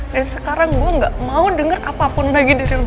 dan sekarang gue gak mau denger apapun lagi dari lo